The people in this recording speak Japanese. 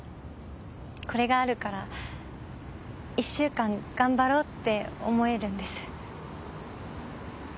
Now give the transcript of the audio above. これがあるから１週間頑張ろうって思えるんです。